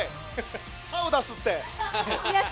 歯を出すって。